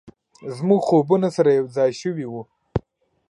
زموږ خوبونه سره یو ځای شوي و،